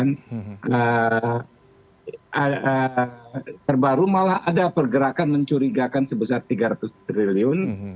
yang terbaru malah ada pergerakan mencurigakan sebesar tiga ratus triliun